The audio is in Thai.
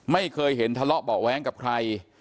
ไม่เคยเห็นทะเลาะเบาะแว้งกับใคร